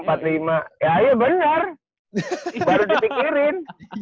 ya iya benar baru dipikirin